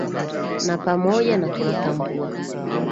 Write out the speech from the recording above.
na pamoja na tunatambua